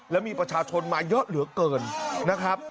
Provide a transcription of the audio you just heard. แล้วมีประชาชนมาเยอะเหลือเกินนะครับ